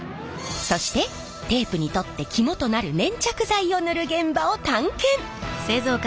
そしてテープにとって肝となる粘着剤を塗る現場を探検！